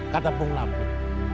kata bung lapu